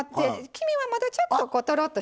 黄身はまだちょっととろっと。